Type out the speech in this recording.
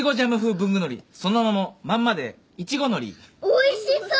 おいしそう。